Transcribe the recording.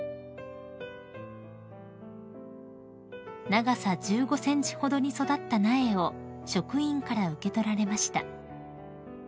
［長さ１５ｃｍほどに育った苗を職員から受け取られました］